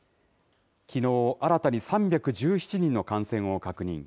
きのう新たに３１７人の感染を確認。